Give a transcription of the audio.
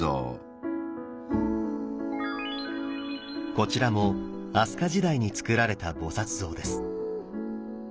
こちらも飛鳥時代につくられた菩像です。